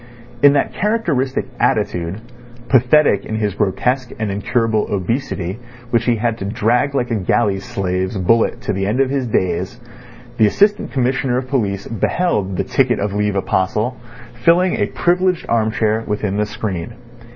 In that characteristic attitude, pathetic in his grotesque and incurable obesity which he had to drag like a galley slave's bullet to the end of his days, the Assistant Commissioner of Police beheld the ticket of leave apostle filling a privileged arm chair within the screen.